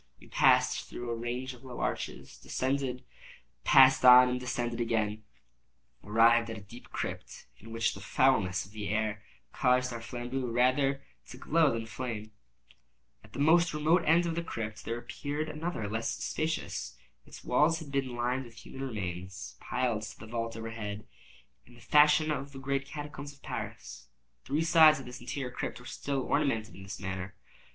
We passed through a range of low arches, descended, passed on, and descending again, arrived at a deep crypt, in which the foulness of the air caused our flambeaux rather to glow than flame. At the most remote end of the crypt there appeared another less spacious. Its walls had been lined with human remains, piled to the vault overhead, in the fashion of the great catacombs of Paris. Three sides of this interior crypt were still ornamented in this manner.